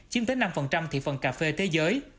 chiếm tới năm thị phần cà phê thế giới